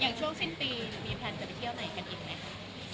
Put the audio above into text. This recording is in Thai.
ช่วงสิ้นปีมีแพลนจะไปเที่ยวไหนกันอีกไหมคะ